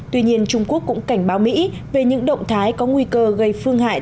tuy nhiên trung quốc cũng cảnh báo mỹ về những động thái có nguy cơ gây phương hại